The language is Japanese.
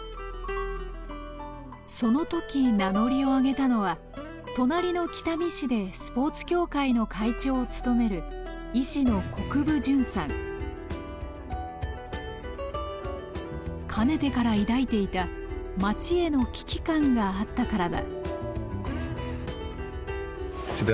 その時名乗りを上げたのは隣の北見市でスポーツ協会の会長を務めるかねてから抱いていた町への危機感があったからだ。